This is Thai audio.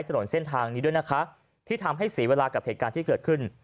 ถนนเส้นทางนี้ด้วยนะคะที่ทำให้เสียเวลากับเหตุการณ์ที่เกิดขึ้น